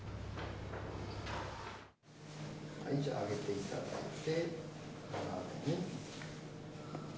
じゃあ上げていただいて。